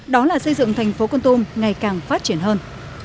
đó là xây dựng thành phố con tum ngày càng phát triển hơn